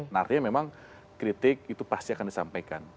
nah artinya memang kritik itu pasti akan disampaikan